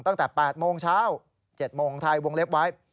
ตั้งแต่๘โมงเช้า๗โมงไทยวงเล็บไว้